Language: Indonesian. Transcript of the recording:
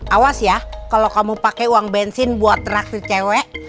awas ya kalau kamu pakai uang bensin buat traksi cewek